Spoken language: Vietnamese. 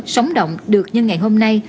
sống động được như ngày hôm nay